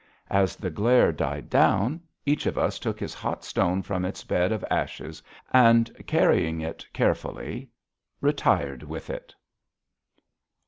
As the glare died down, each of us took his hot stone from its bed of ashes and, carrying it carefully, retired with it.